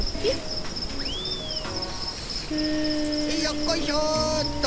よっこいしょっと。